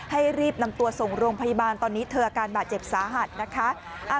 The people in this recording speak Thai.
รีบนำตัวส่งโรงพยาบาลตอนนี้เธออาการบาดเจ็บสาหัสนะคะ